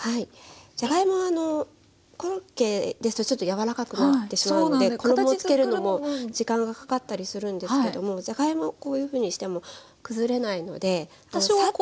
じゃがいもはあのコロッケですとちょっと柔らかくなってしまうので衣付けるのも時間がかかったりするんですけどもじゃがいもこういうふうにしても崩れないのでこうさっと。